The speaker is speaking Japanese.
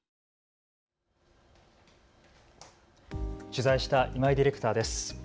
取材した今井ディレクターです。